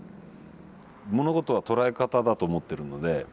物事は捉え方だと思ってるので。